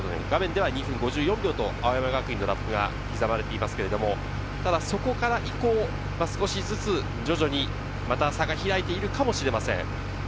画面では２分５４秒とラップが刻まれていますが、そこから以降、少しずつ徐々にまた差が開いているかもしれません。